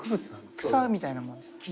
草みたいなものですか？